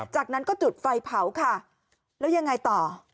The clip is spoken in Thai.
จากนั้นก็จุดไฟเผาค่ะแล้วยังไงต่อ